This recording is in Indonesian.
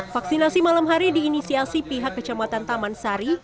vaksinasi malam hari diinisiasi pihak kecamatan taman sari